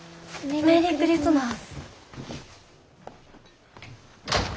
メリークリスマス。